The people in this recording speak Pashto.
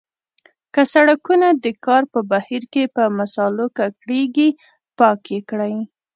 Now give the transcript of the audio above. که سړکونه د کار په بهیر کې په مسالو ککړیږي پاک یې کړئ.